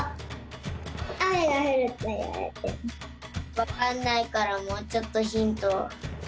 わかんないからもうちょっとヒント。